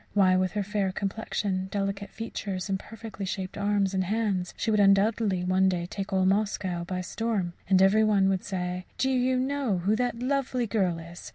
Why, with her fair complexion, delicate features, and perfectly shaped arms and hands she would undoubtedly one day take all Moscow by storm; and every one would say, "Do you know who that lovely girl is?